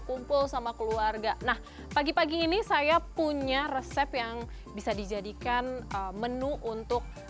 kumpul sama keluarga nah pagi pagi ini saya punya resep yang bisa dijadikan menu untuk